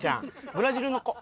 ブラジルの子。